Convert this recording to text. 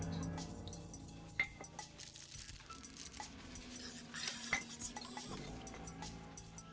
ya makasih bu